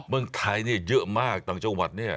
เมืองไทยเนี่ยเยอะมากต่างจังหวัดเนี่ย